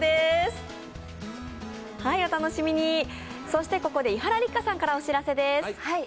そして、ここで伊原六花さんからお知らせです。